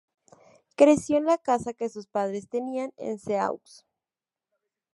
Creció en la casa que sus padres tenían en Sceaux.